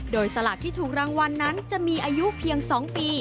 โดยสลากที่ถูกรางวัลนั้นจะมีอายุเพียง๒ปี